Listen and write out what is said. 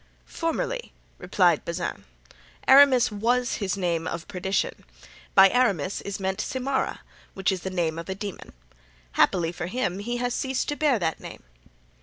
"Formerly," replied Bazin, "Aramis was his name of perdition. By Aramis is meant Simara, which is the name of a demon. Happily for him he has ceased to bear that name."